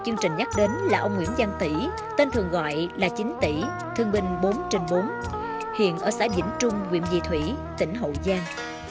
chương trình nhắc đến là ông nguyễn giang tỷ tên thường gọi là chính tỷ thương binh bốn trên bốn hiện ở xã dĩnh trung quyện dị thủy tỉnh hậu giang